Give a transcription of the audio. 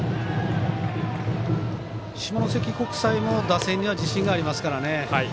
下関国際も打線には自信がありますからね。